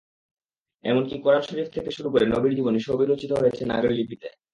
এমনকি কোরআন শরিফ থেকে শুরু করে নবীর জীবনী—সবই রচিত হয়েছে নাগরি লিপিতে।